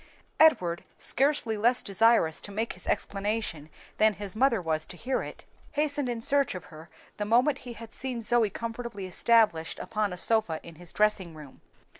Edward, scarcely less desirous to make his explanation than his mother was to hear it, hastened in search of her the moment he had seen Zoe comfortably established upon a sofa in his dressing room.